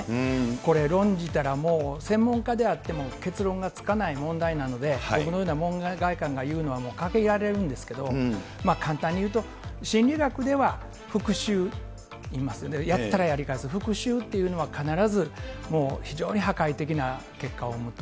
これ、論じたらもう、専門家であっても結論がつかない問題なので、僕のような門外漢が言うのは限られるんですけど、簡単に言うと、心理学では復しゅう、言いますよね、やったらやり返す、復しゅうっていうのは必ず、もう、非常に破壊的な結果を生むと。